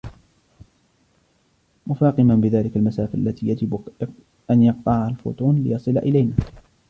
مفاقما بذلك المسافة التي يجب أن يقطعها الفوتون ليصل إلينا